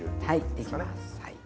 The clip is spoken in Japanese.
できます。